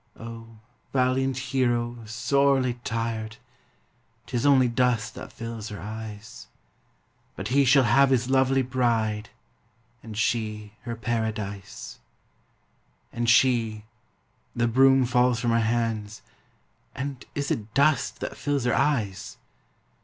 Oh! valiant hero, sorely tried! 'Tis only dust that fills her eyes But he shall have his lovely bride And she her paradise! And she the broom falls from her hands, And is it dust that fills her eyes?